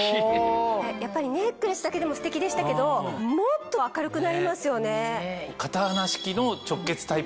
やっぱりネックレスだけでもステキでしたけどもっと明るくなりますよね。